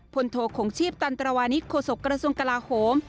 โทคงชีพตันตรวานิสโฆษกระทรวงกลาโหม